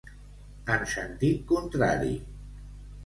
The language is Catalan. En sentit contrari.